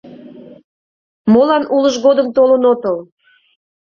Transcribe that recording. Молан улыж годым толын отыл?